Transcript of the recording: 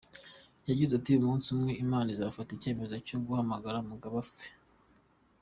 Yagize ati “Umunsi umwe Imana izafata icyemezo cyo guhamagara Mugabe apfe.